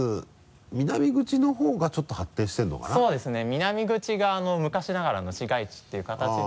南口が昔ながらの市街地っていう形で。